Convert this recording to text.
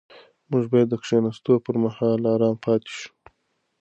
موږ باید د کښېناستو پر مهال ارام پاتې شو.